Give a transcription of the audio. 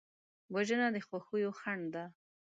وژنه د خوښیو خنډ ده